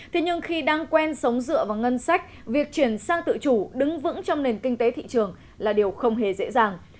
thế nhưng khi đang quen sống dựa vào ngân sách việc chuyển sang tự chủ đứng vững trong nền kinh tế thị trường là điều không hề dễ dàng